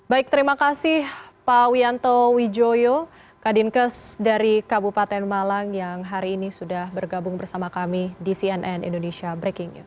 baik terima kasih pak wianto wijoyo kadinkes dari kabupaten malang yang hari ini sudah bergabung bersama kami di cnn indonesia breaking news